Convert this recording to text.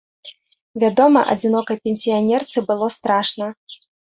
Вядома, адзінокай пенсіянерцы было страшна.